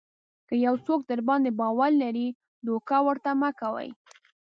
که یو څوک درباندې باور لري دوکه ورته مه کوئ.